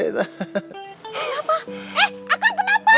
eh akang kenapa